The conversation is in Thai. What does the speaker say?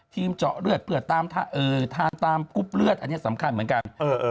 ทีมเจาะเลือดเพื่อทันตามกลุ๊บเลือด